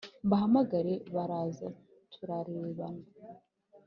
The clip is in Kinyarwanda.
mbahamagare baraza turarebana